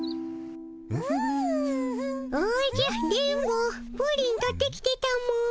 おじゃ電ボプリン取ってきてたも。